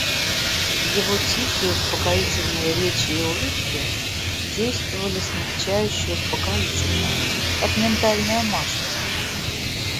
Его тихие успокоительные речи и улыбки действовали смягчающе успокоительно, как миндальное масло.